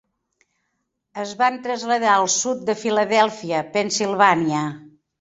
Es van traslladar al sud de Filadèlfia, Pennsilvània.